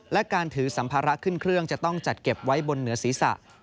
และการถือสัมภาระขึ้นเครื่องจะต้องจัดเก็บไว้บนเหนือศีรษะ